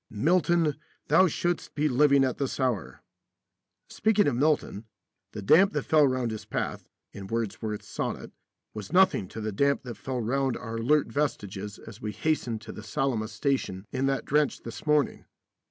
Milton, thou shouldst be living at this hour. Speaking of Milton, the damp that fell round his path (in Wordsworth's sonnet) was nothing to the damp that fell round our alert vestiges as we hastened to the Salamis station in that drench this morning.